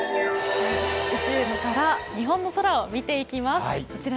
宇宙から日本の空を見ていきます。